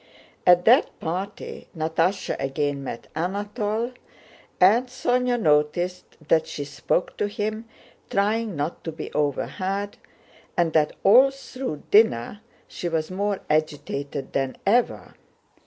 At that party Natásha again met Anatole, and Sónya noticed that she spoke to him, trying not to be overheard, and that all through dinner she was more agitated than ever.